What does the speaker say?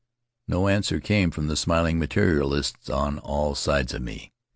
No answer came from the smiling materialists on all sides of me.